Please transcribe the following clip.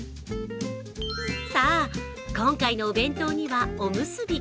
さぁ、今回のお弁当にはおむすび。